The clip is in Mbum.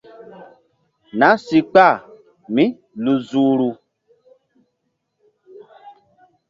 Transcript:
Nah si kpah mí lu zuhru.